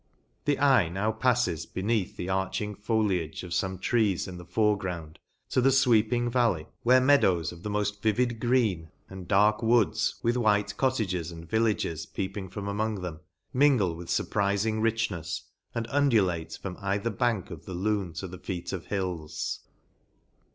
The eye now pafles, beneath the arching foliage of fomc trees in the fore ground, to the fweeping valley, where meadows of the moft vivid green and dark woods, with white cottages and villages peeping from among them, mingle with furprifmg richnefs, and undu late from either bank o~f the Lune to the feet of hills.